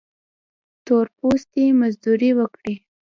تور پوستي مزدوري وکړي.